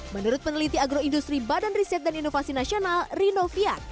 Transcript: menurut peneliti agroindustri badan riset dan inovasi nasional rinovian